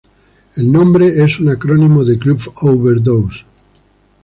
El nombre es un acrónimo de Groove Over Dose.